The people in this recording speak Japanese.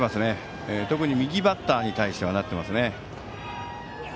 特に右バッターに対してはなっていますね。